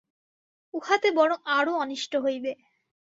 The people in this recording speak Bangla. উহাতে বরং আরও অনিষ্ট হইবে।